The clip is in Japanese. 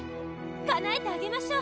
叶えてあげましょう。